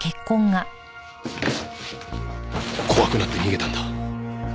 怖くなって逃げたんだ。